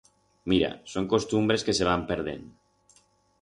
Mira, son costumbres que se van perdend.